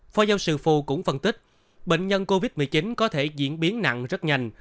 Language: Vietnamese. phó giáo sư phù cũng phân tích bệnh nhân covid một mươi chín có thể diễn biến nặng rất nhanh